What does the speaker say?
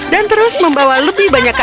dan terus membawa lebih banyak alat